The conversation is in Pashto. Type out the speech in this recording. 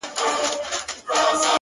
شېخ سره وښورېدی زموږ ومخته کم راغی _